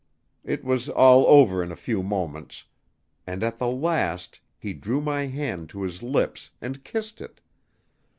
It was all over in a few moments, and at the last he drew my hand to his lips and kissed it.